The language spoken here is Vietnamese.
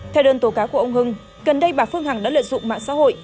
theo đơn tố cáo của ông hưng gần đây bà phương hằng đã lợi dụng mạng xã hội